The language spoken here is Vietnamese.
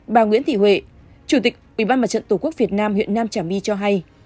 bà nguyễn thị huệ chủ tịch ubnd tổ quốc việt nam huyện nam trà my cho hay